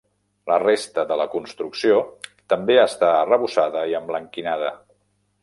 La resta de la construcció també està arrebossada i emblanquinada.